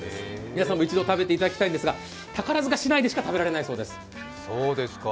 皆さんも一度、食べていただきたいんですが宝塚市内でしか食べられないそうです。